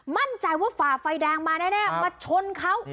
มั่นใจว่าฝ่าไฟแดงมาแน่มาชนเขา